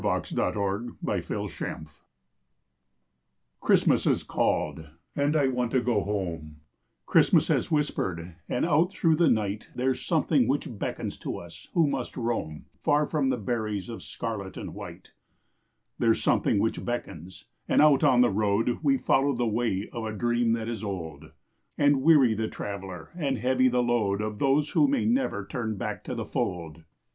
WHEN CHRISTMAS CALLS Christmas has called and I want to go home; Christmas has whispered and out through the night There s something which beckons to us who must roam Far from the berries of scarlet and white ; There s something which beckons and out on the road We follow the way of a dream that is old, And weary the travel and heavy the load Of those who may never turn back to the fold.